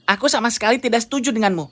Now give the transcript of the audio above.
aku sama sekali tidak setuju denganmu